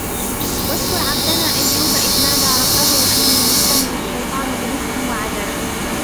وَاذكُر عَبدَنا أَيّوبَ إِذ نادى رَبَّهُ أَنّي مَسَّنِيَ الشَّيطانُ بِنُصبٍ وَعَذابٍ